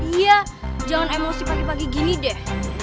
iya jangan emosi pagi pagi gini deh